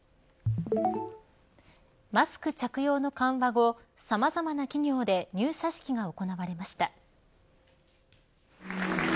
マスク着用の緩和後さまざまな企業で入社式が行われました。